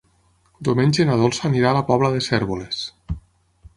Diumenge na Dolça anirà a la Pobla de Cérvoles.